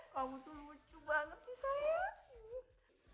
kamu tuh lucu banget nih sayang